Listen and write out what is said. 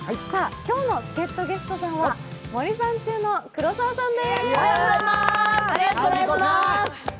今日の助っとゲストさんは、森三中の黒沢さんです。